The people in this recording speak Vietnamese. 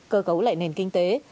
cơ cấu lại nền kinh tế